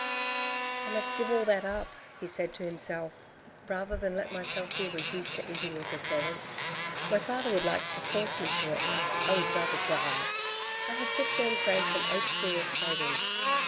" I must give all that up," he said to himself, " rather than let myself be reduced to eating with the servants. My father would like to force me to it. I would rather die. I have fifteen francs and eight sous of savings.